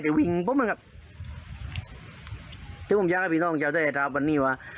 แต่วิ่งผมนะครับถ้าผมอยากให้พี่น้องเจ้าเจ้าให้ถามวันนี้ว่า